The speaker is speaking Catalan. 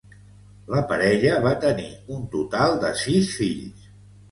La parella va tenir un total de sis fills.